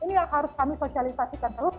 ini yang harus kami sosialisasikan terus